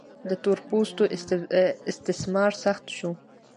د تور پوستو استثمار سخت شو.